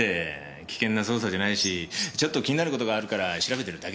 危険な捜査じゃないしちょっと気になる事があるから調べてるだけ。